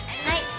はい。